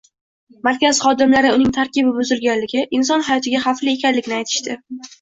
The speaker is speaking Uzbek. Markaz xodimlari uning tarkibi buzilganligi, inson hayotiga xavfli ekanligini aytishdi.